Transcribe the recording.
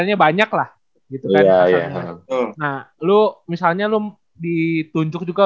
ya kan kalau di pj